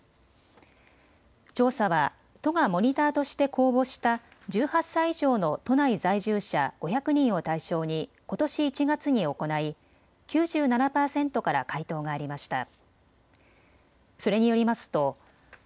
調査は都がモニターとして公募した１８歳以上の都内在住者５００人を対象に、ことし１月に行い９７％から回答がありました。